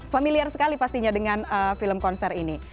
familiar sekali pastinya dengan film konser ini